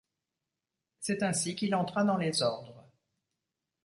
C'est ainsi qu'il entra dans les ordres.